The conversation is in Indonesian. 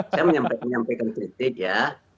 saya menyampaikan kritik ya